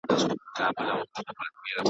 تير تاریخ د ملتونو کیسې بیانوي.